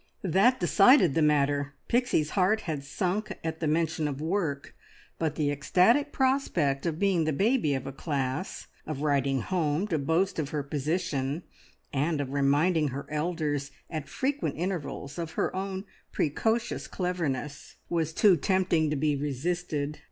That decided the matter! Pixie's heart had sunk at the mention of work; but the ecstatic prospect of being the baby of a class, of writing home to boast of her position, and of reminding her elders at frequent intervals of her own precocious cleverness, was too tempting to be resisted.